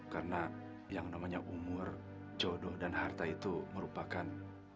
karena yang namanya umur jodoh dan harta itu merupakan